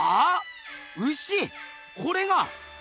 これが？